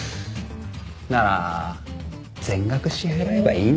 なら全額支払えばいいんだな。